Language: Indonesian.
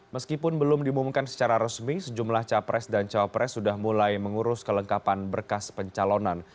meskipun belum diumumkan secara resmi sejumlah capres dan cawapres sudah mulai mengurus kelengkapan berkas pencalonan